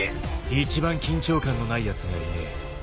一番緊張感のないやつがいねえ。